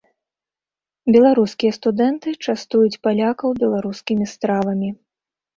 Беларускія студэнты частуюць палякаў беларускімі стравамі.